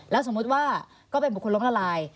สมมุติว่าก็เป็นบุคคลล้มละลาย